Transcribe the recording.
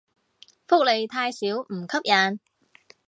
福利太少唔吸引